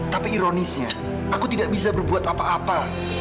tapi ironisnya aku tidak bisa berbuat apa apa